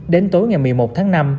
đến tối ngày một mươi một tháng năm